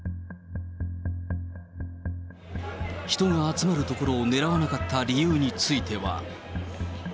人が集まる所を狙わなかった理由については。